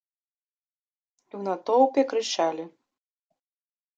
І ў натоўпе крычалі.